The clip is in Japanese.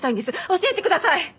教えてください！